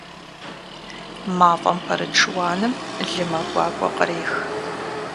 МафӀэм пэрыт шыуаным лымэ гуакӀуэ кърех.